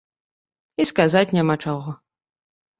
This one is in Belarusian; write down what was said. І сказаць няма чаго.